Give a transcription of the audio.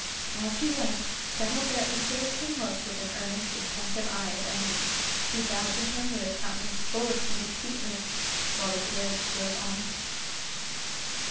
As he went, St. Aubert observed him look with an earnest and pensive eye at Emily, who bowed to him with a countenance full of timid sweetness, while the carriage drove on.